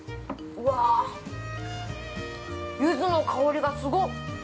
ゆずの香りがすごっ。